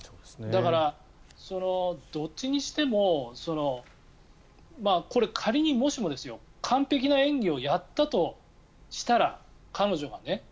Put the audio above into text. だから、どっちにしてもこれ仮に、もしもですよ完璧な演技をやったとしたら彼女がね。